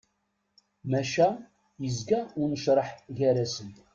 Maca yezga unecreḥ gar-asen.